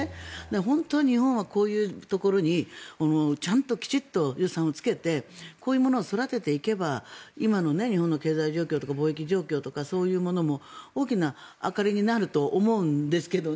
本当は、日本はこういうところにちゃんと予算をつけてこういうものを育てていけば今の日本の経済状況とか貿易状況とかそういうものも大きな明かりになると思うんですけどね。